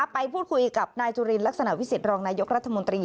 ไปพูดคุยกับนายจุลินลักษณะวิสิตรองนายกรัฐมนตรี